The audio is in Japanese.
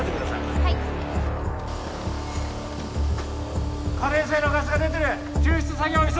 はい可燃性のガスが出てる救出作業急げ！